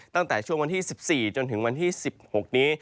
ตั้งแต่ช่วงวันที่๑๔จนถึงวันที่๑๖นี้